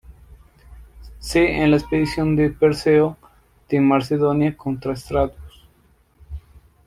C en la expedición de Perseo de Macedonia contra Stratus.